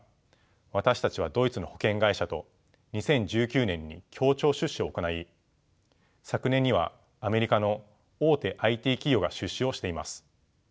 私たちはドイツの保険会社と２０１９年に協調出資を行い昨年にはアメリカの大手ＩＴ企業が出資をしています。